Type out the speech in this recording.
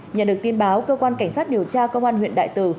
nhận được tin báo cơ quan cảnh sát điều tra công an huyện đại từ